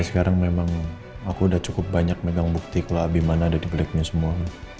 sekarang memang aku udah cukup banyak megang bukti kalau abiman ada di kliknya semua